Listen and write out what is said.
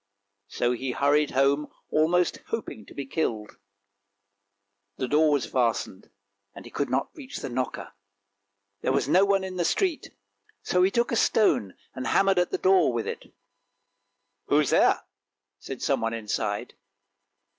So he hurried home almost hoping to be killed. The door was fastened, and he could not reach the knocker. There was no one in the street, so he took a stone and hammered at the door with it. 342 ANDERSEN'S FAIRY TALES " Who is there? " said someone inside.